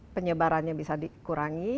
penyebarannya bisa dikurangi